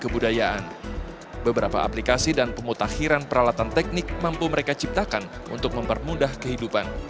kebudayaan beberapa aplikasi dan pemutakhiran peralatan teknik mampu mereka ciptakan untuk mempermudah kehidupan